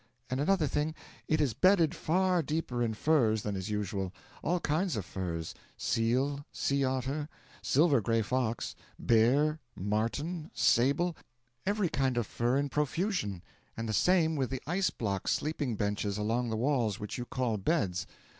'And another thing; it is bedded far deeper in furs than is usual; all kinds of furs seal, sea otter, silver grey fox, bear, marten, sable every kind of fur in profusion; and the same with the ice block sleeping benches along the walls which you call "beds."